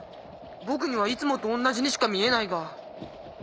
僕にはいつもと同じにしか見えないが。